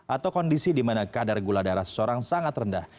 atau kondisi dimana kadar gula darah seseorang sangat rendah